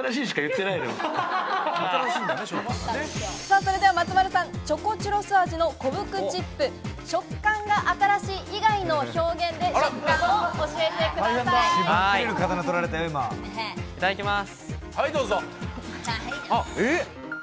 それでは松丸さん、チョコチュロス味のコブクチップ、食感が新しい以外の表現で食感を教えていただきます。